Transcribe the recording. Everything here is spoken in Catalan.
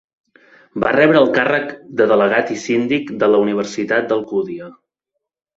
Va rebre el càrrec de delegat i síndic de la Universitat d'Alcúdia.